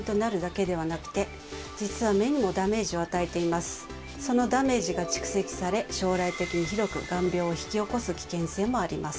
まず紫外線ですがそのダメージが蓄積され将来的に広く眼病を引き起こす危険性もあります。